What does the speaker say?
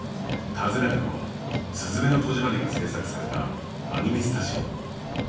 訪ねたのは「すずめの戸締まり」が制作されたアニメスタジオ。